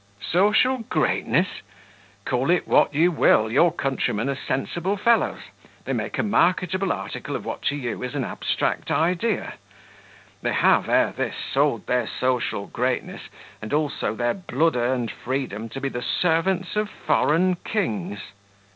"Social greatness? Call it what you will, your countrymen are sensible fellows; they make a marketable article of what to you is an abstract idea; they have, ere this, sold their social greatness and also their blood earned freedom to be the servants of foreign kings."